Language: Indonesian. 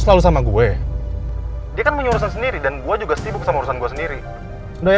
selalu sama gue dia kan punya urusan sendiri dan gua juga sibuk sama urusan gua sendiri udah ya